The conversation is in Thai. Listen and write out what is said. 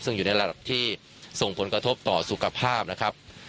ซึ่งอยู่ในระดับที่ส่งผลกระทบต่อสุขภาพนะครับ